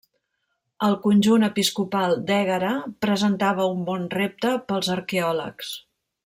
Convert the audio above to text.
El conjunt episcopal d'Ègara presentava un bon repte pels arqueòlegs.